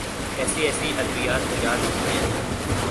ایسی ایسی ادویات ایجاد کی ہیں۔